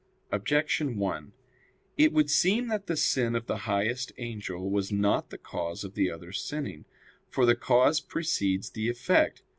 Objection 1: It would seem that the sin of the highest angel was not the cause of the others sinning. For the cause precedes the effect.